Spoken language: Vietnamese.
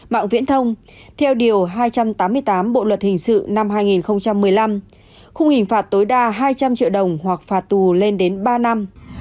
mạng viễn thông theo điều hai trăm tám mươi tám bộ luật hình sự năm hai nghìn một mươi năm khung hình phạt tối đa hai trăm linh triệu đồng hoặc phạt tù lên đến ba năm